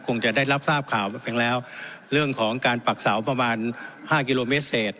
คงจะได้รับทราบข่าวกันแล้วเรื่องของการปักเสาประมาณห้ากิโลเมตรเศษ